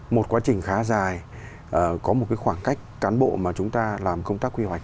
một quá trình khá dài có một khoảng cách cán bộ mà chúng ta làm công tác quy hoạch